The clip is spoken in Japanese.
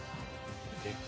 でっか。